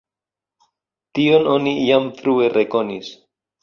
Tion oni jam frue rekonis.